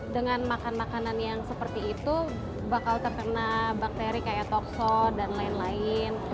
dengan makan makanan yang seperti itu bakal terkena bakteri kayak tokso dan lain lain